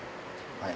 はい。